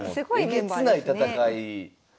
えげつない戦い。